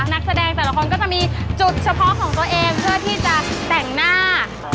นักแสดงแต่ละคนก็จะมีจุดเฉพาะของตัวเองเพื่อที่จะแต่งหน้า